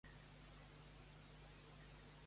Com es sentí ell?